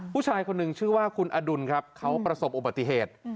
ผู้ชายคนหนึ่งชื่อว่าคุณอดุลครับเขาประสบอุบัติเหตุ